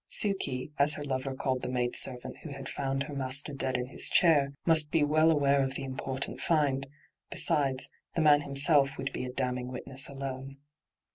' Sukey/ as her lover called the maid servant who had found her master dead in his chair, must be well aware of the important find ; besides, the man himself would be a damning witness alone.